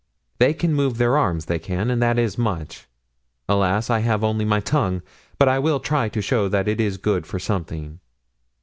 They can move their arms, they can, and that is much. Alas, I have only my tongue, but I will try to show that it is good for something.